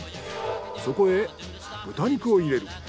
そこへ豚肉を入れる。